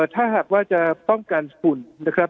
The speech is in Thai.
ถ้าหากว่าจะป้องกันฝุ่นนะครับ